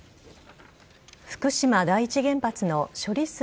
福島第一原発の処理